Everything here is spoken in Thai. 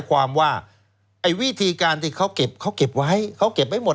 วิธีการเค้าเก็บไปหมด